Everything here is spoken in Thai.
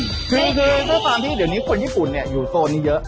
คือด้วยความที่เดี๋ยวนี้คนญี่ปุ่นเนี่ยอยู่โซนนี้เยอะ